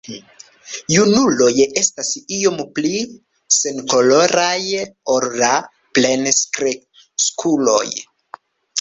Junuloj estas iom pli senkoloraj ol la plenkreskuloj.